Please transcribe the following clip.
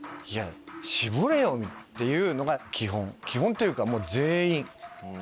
絞れよっていうのが基本基本というかもう全員。